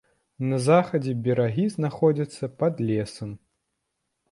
На захадзе берагі знаходзяцца пад лесам.